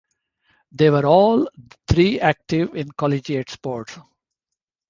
They were all three active in collegiate sports.